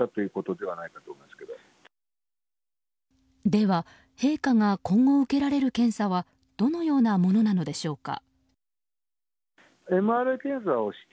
では、陛下が今後受けられる検査はどのようなものなのでしょうか。